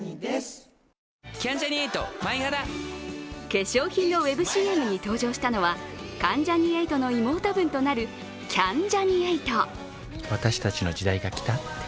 化粧品のウェブＣＭに登場したのは関ジャニ∞の妹分となるキャンジャニ∞。